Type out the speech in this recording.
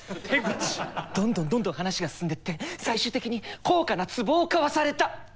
どんどんどんどん話が進んでって最終的に高価なつぼを買わされた。